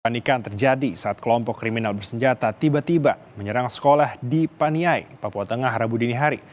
panikan terjadi saat kelompok kriminal bersenjata tiba tiba menyerang sekolah di paniai papua tengah rabu dini hari